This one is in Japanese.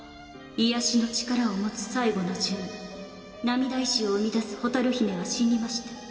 癒やしの力を持つ最後の珠魅涙石を生み出す蛍姫は死にました。